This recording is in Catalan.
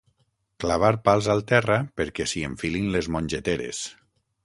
Clavar pals al terra perquè s'hi enfilin les mongeteres.